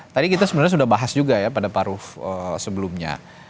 tadi kita sebenarnya sudah bahas juga ya pada paruf sebelumnya